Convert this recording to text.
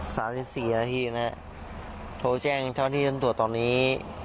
สามสิบสี่นาทีนะฮะโทรแจ้งเท่าที่ท่านตรวจตอนนี้